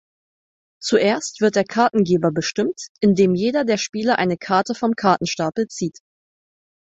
Zuerst wird der Kartengeber bestimmt, indem jeder der Spieler eine Karte vom Kartenstapel zieht.